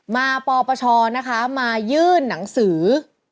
ปปชนะคะมายื่นหนังสือ